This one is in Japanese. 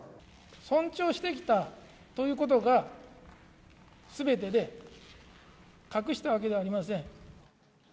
尊重してきたということがすべてで、隠したわけではありません。